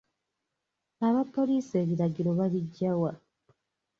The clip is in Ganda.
Abapoliisi ebiragiro babiggya wa?